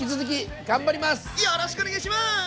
よろしくお願いします！